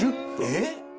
「えっ？」